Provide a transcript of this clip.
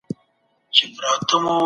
کرني وزارت بزګرانو سره مرسته کوله.